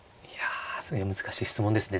すごい難しい質問ですね